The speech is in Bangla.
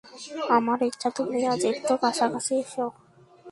আমার ইচ্ছা, তুমি আজ একটু কাছাকাছি এসো।